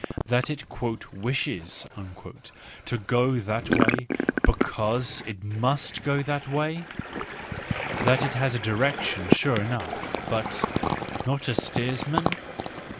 That it " wishes " to go that way, because it must go that way? That it has a direction, sure enough, but—not a steersman